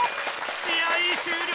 試合終了！